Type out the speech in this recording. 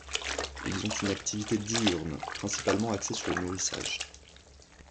Ils ont une activité diurne principalement axée sur le nourrissage.